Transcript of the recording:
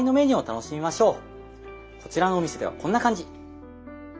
こちらのお店ではこんな感じ。